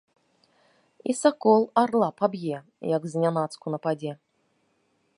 І сакол арла паб'е, як знянацку нападзе.